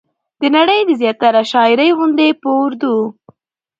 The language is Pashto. د نړۍ د زياتره شاعرۍ غوندې په اردو